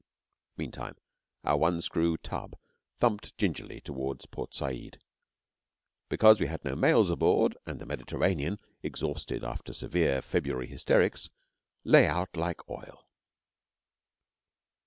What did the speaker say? Meantime, our one screw tub thumped gingerly toward Port Said, because we had no mails aboard, and the Mediterranean, exhausted after severe February hysterics, lay out like oil.